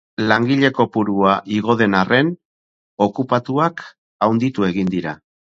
Langabe kopurua igo den arren, okupatuak handitu egin dira.